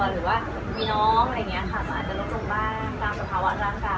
หรือว่ามีน้องอะไรเงี้ยขับอาวุธไปตรงบ้านตามภาวะร่างกาย